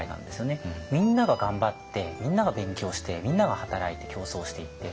みんなが頑張ってみんなが勉強してみんなが働いて競争していって。